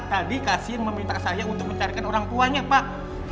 tadi kasian meminta saya untuk mencarikan orang tuanya pak